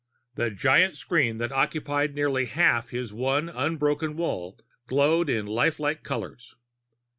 The giant screen that occupied nearly half of his one unbroken wall glowed in lifelike colors.